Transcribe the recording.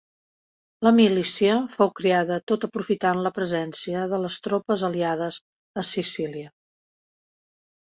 La milícia fou creada tot aprofitant la presència de les tropes aliades a Sicília.